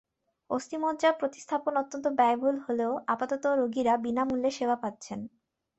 অস্থিমজ্জা প্রতিস্থাপন অত্যন্ত ব্যয়বহুল হলেও আপাতত রোগীরা বিনা মূল্যে সেবা পাচ্ছেন।